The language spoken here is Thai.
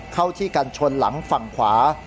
เข้าที่กันชนหลังฝั่งขวา